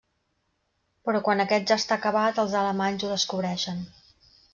Però quan aquest ja està acabat els alemanys ho descobreixen.